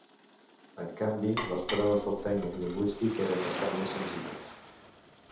En canvi, les proves de tècnic lingüístic eren bastant més senzilles.